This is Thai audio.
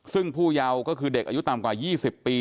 ซึ่งผู้เยาว์ก็คือเด็กอายุต่ำกว่า๒๐ปี